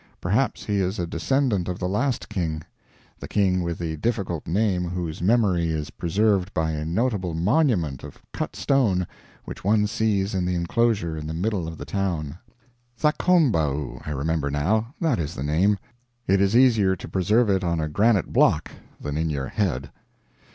Perhaps he is a descendant of the last king the king with the difficult name whose memory is preserved by a notable monument of cut stone which one sees in the enclosure in the middle of the town. Thakombau I remember, now; that is the name. It is easier to preserve it on a granite block than in your head.